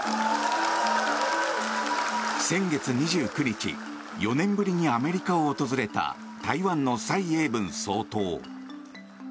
先月２９日４年ぶりにアメリカを訪れた台湾の蔡英文総統。